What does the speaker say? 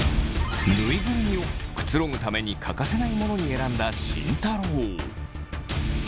ぬいぐるみをくつろぐために欠かせないモノに選んだ慎太郎。